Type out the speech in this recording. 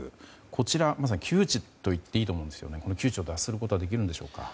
こちらは窮地と言っていいと思うんですがこの窮地を脱することはできますか？